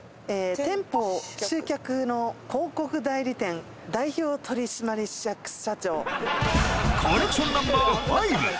「店舗集客の広告代理店代表取締役社長」コネクション